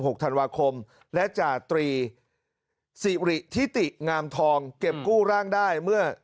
หกธันวาคมและจาตรีสิริทิติงามทองเก็บกู้ร่างได้เมื่อ